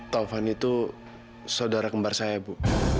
taufan itu saudara kembar saya bu